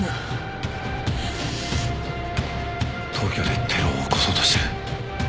東京でテロを起こそうとしてる。